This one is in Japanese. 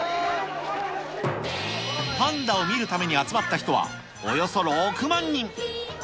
パンダを見るために集まった人はおよそ６万人。